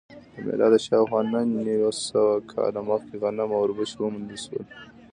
له میلاده شاوخوا نهه نیم سوه کاله مخکې غنم او اوربشې وموندل شول